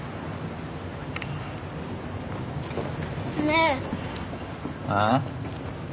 ねえ。あっ？